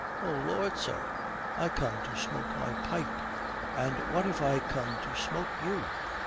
Oh Lord, sir, I come to smoke my pipe!" "And what if I come to smoke you?